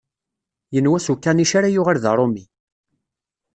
Yenwa s ukanic ara yuɣal d aṛumi.